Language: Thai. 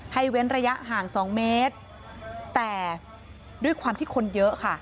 เว้นระยะห่างสองเมตรแต่ด้วยความที่คนเยอะค่ะ